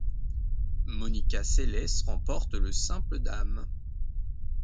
Monica Seles remporte le simple dames.